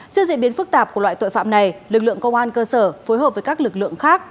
trước diễn biến phức tạp của loại tội phạm này lực lượng công an cơ sở phối hợp với các lực lượng khác